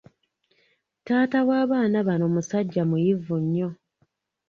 Taata w'abaana bano musajja muyivu nnyo.